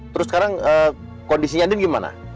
terus sekarang kondisinya ini gimana